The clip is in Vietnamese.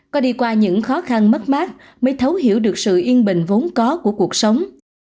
có đi qua những khó khăn mất mát mới thấu hiểu được sự yên bình vốn có của cuộc sống